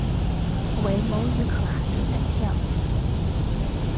为牟羽可汗的宰相。